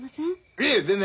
いえ全然。